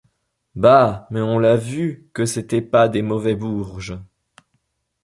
Bah mais on l’a vu que c’étaient pas des mauvais bourges !